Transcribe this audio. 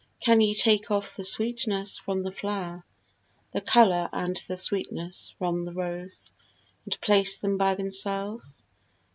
Can ye take off the sweetness from the flower, The colour and the sweetness from the rose, And place them by themselves?